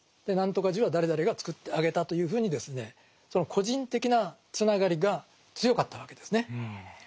何とか寺は誰々がつくってあげたというふうにですねその個人的なつながりが強かったわけですね。